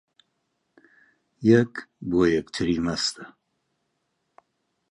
یەک بۆ یەکتری مەستە